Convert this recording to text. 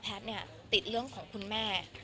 แพทย์เนี่ยติดเรื่องของคุณแม่